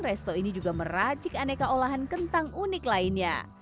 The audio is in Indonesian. resto ini juga meracik aneka olahan kentang unik lainnya